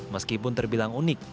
meskipun terbilang unik